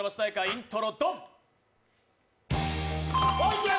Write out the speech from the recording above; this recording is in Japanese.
イントロ・ドン。